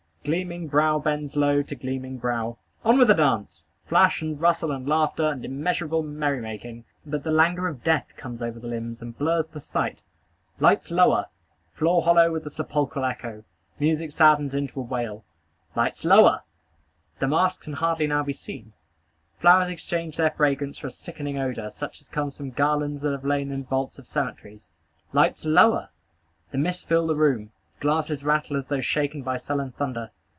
Gleaming brow bends low to gleaming brow. On with the dance! Flash, and rustle, and laughter, and immeasurable merry making! But the languor of death comes over the limbs, and blurs the sight. Lights lower! Floor hollow with sepulchral echo. Music saddens into a wail. Lights lower! The maskers can hardly now be seen. Flowers exchange their fragrance for a sickening odor, such as comes from garlands that have lain in vaults of cemeteries. Lights lower! Mists fill the room. Glasses rattle as though shaken by sullen thunder.